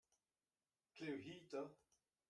Klev-hi 'ta !